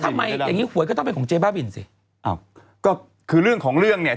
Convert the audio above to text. อย่างงี้หวยก็ต้องเป็นของเจ๊บ้าบินสิอ้าวก็คือเรื่องของเรื่องเนี่ย